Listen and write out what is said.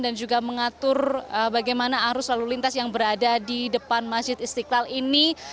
dan juga mengatur bagaimana arus lalu lintas yang berada di depan masjid istiqlal ini